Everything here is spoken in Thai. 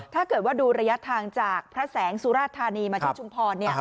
ถ้าเกิดว่าดูระยะทางจากพระแสงสุราธานีมาที่ชุมพร